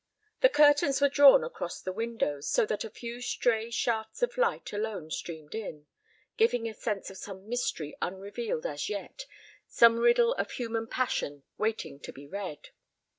The curtains were drawn across the windows, so that a few stray shafts of light alone streamed in, giving a sense of some mystery unrevealed as yet, some riddle of human passion waiting to be read.